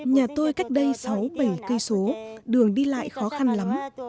nhà tôi cách đây sáu bảy km đường đi lại khó khăn lắm